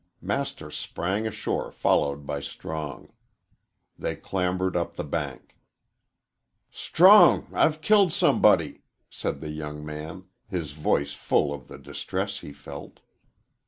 Master sprang ashore followed by Strong. They clambered up the bank. "Strong, I've killed somebody," said the young man, his voice full of the distress he felt.